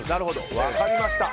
分かりました。